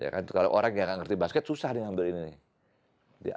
kalau orang yang gak ngerti basket susah diambil ini